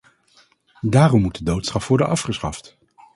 Daarom moet de doodstraf worden afgeschaft.